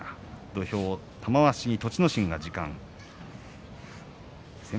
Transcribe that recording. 土俵は玉鷲に栃ノ心が時間です。